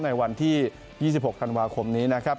ในวันที่๒๖ธันวาคมนี้นะครับ